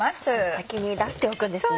先に出しておくんですね。